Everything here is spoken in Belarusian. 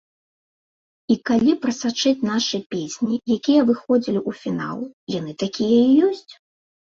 І, калі прасачыць нашы песні, якія выходзілі ў фінал, яны такія і ёсць!